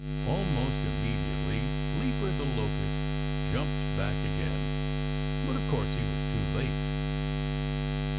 Almost immediately Leaper the Locust jumped back again. But of course he was too late.